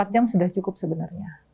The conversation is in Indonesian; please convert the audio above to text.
empat jam sudah cukup sebenarnya